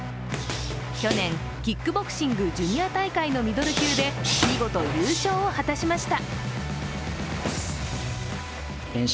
去年、キックボクシングジュニア大会のミドル級で見事優勝を果たしました。